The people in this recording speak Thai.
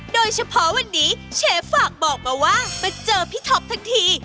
โดยเฉพาะวันนี้เชฟฝากบอกมาว่ามาเจอพี่ท็อปทั้งที